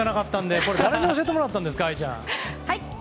藍ちゃん誰に教えてもらったんですか？